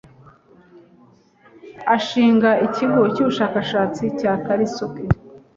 Ashinga ikigo cy'ubushakashatsi cya Karisoke